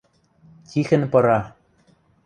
Тихӹн пыра.